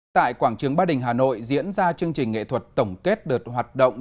tại quảng trường ba đình hà nội diễn ra chương trình nghệ thuật tổng kết đợt hoạt động